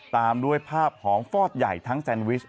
ตามด้วยภาพของฟอดใหญ่ทั้งแซนวิช